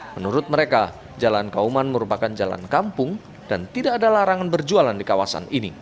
menurut mereka jalan kauman merupakan jalan kampung dan tidak ada larangan berjualan di kawasan ini